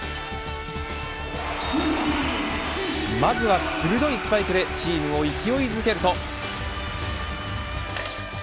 まずは鋭いスパイクでチームを勢いづけると。